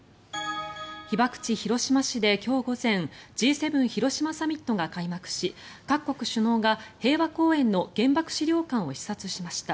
被爆地・広島市で今日午前Ｇ７広島サミットが開幕し各国首脳が平和公園の原爆資料館を視察しました。